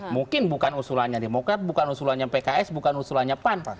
mungkin bukan usulannya demokrat bukan usulannya pks bukan usulannya pan